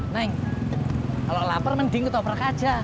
neng kalau lapar mending ketoprak aja